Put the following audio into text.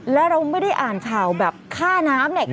แล้วเราไม่ได้อ่านข่าวแบบค่าน้ำเนี่ย